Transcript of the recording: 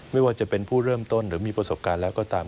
ไม่ว่าจะเป็นผู้เริ่มต้นหรือมีประสบการณ์แล้วก็ตาม